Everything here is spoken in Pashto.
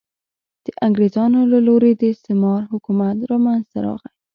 د انګرېزانو له لوري د استعمار حکومت منځته راغی.